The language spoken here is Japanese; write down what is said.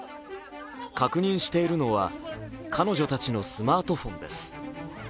確認しているのは彼女たちのスマートフォンです。